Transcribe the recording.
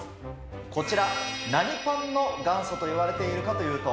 こちら、何パンの元祖といわれているかというと。